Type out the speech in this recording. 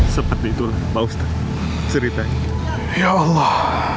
sepertitulah baustar cerita ya allah